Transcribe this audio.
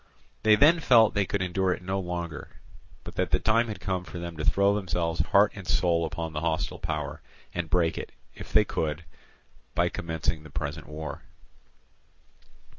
They then felt that they could endure it no longer, but that the time had come for them to throw themselves heart and soul upon the hostile power, and break it, if they could, by commencing the present war.